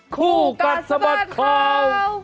คู่กัดสมัครเขา